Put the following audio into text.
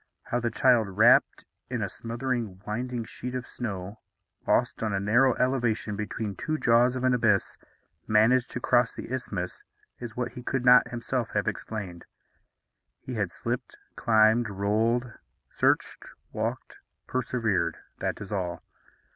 How the child, wrapped in a smothering winding sheet of snow, lost on a narrow elevation between two jaws of an abyss, managed to cross the isthmus is what he could not himself have explained. He had slipped, climbed, rolled, searched, walked, persevered, that is all.